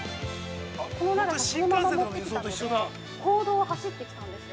◆この長さそのまま持ってきたので公道を走ってきたんですよ。